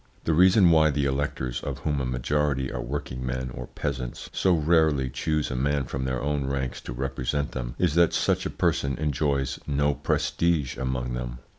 The reason why the electors, of whom a majority are working men or peasants, so rarely choose a man from their own ranks to represent them is that such a person enjoys no prestige among them.